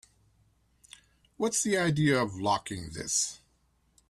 What's the idea of locking this?